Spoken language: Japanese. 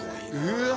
うわ。